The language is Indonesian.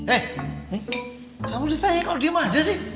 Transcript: eh kamu ditanya kok lima aja sih